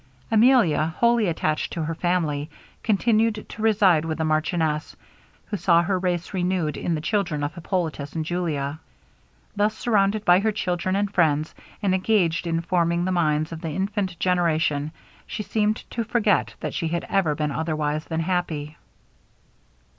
Emilia, wholly attached to her family, continued to reside with the marchioness, who saw her race renewed in the children of Hippolitus and Julia. Thus surrounded by her children and friends, and engaged in forming the minds of the infant generation, she seemed to forget that she had ever been otherwise than happy.